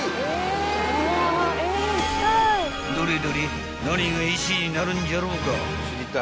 ［どれどれ何が１位になるんじゃろうか？］